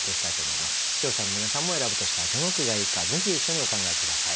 視聴者の皆さんも選ぶとしたらどの句がいいかぜひ一緒にお考え下さい。